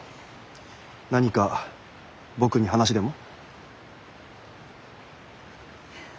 何か僕に話でも？